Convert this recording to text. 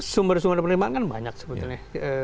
sumber sumber penerimaan kan banyak sebetulnya